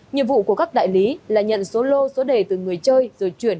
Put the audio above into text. nhiệm vụ của các đại lý là nhận số lô số đề từ người chơi rồi chuyển